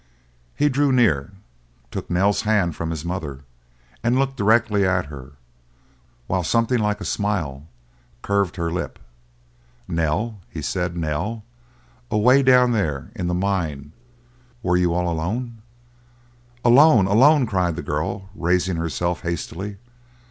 He drew near, took Nell's hand from his mother, and looked directly at her, while something like a smile curved her lip. "Nell," he said, "Nell, away down there—in the mine—were you all alone?" "Alone! alone!" cried the girl, raising herself hastily.